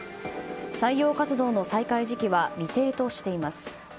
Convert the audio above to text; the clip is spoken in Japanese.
採用活動の再開時期は未定としています。